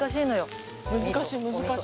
難しい難しい！